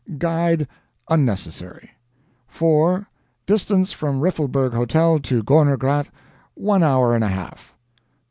Guide unnecessary. 4. Distance from Riffelberg Hotel to the Gorner Grat, one hour and a half.